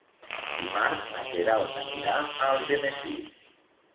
Dimarts na Queralt anirà a Algemesí.